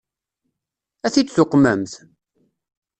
Ad t-id-tuqmemt?